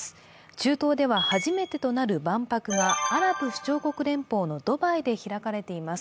中東では初めてとなる万博がアラブ首長国連邦のドバイで開かれています。